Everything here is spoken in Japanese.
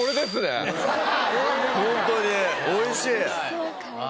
ホントに美味しい。